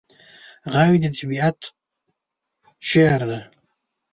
غږ د طبیعت شعر دی